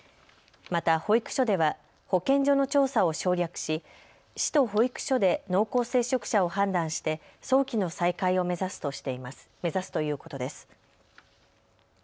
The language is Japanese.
また、保育所では保健所の調査を省略し市と保育所で濃厚接触者を判断して早期の再開を目指すということです。